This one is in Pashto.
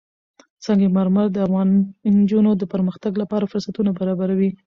سنگ مرمر د افغان نجونو د پرمختګ لپاره فرصتونه برابروي.